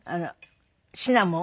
シナモン？